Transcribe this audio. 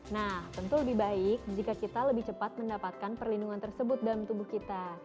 nah tentu lebih baik jika kita lebih cepat mendapatkan perlindungan tersebut dalam tubuh kita